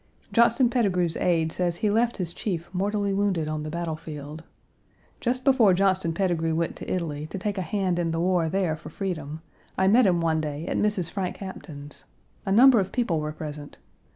Johnston Pettigrew's aide says he left his chief mortally wounded on the battle field. Just before Johnston Pettigrew went to Italy to take a hand in the war there for freedom, I met him one day at Mrs. Frank Hampton's. A number of people were present.